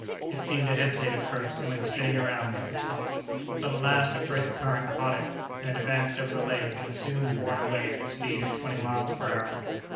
It seemed to hesitate at first, and went spinning around, like a top; but at last a brisk current caught it, and it advanced over the lake, and was soon borne away at a speed of twenty miles per hour.